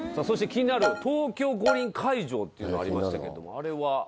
そして気になる東京五輪会場っていうのがありましたけどもあれは？